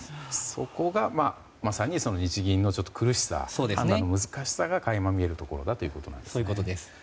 そこがまさに日銀の苦しさ判断の難しさが垣間見えるところだということですね。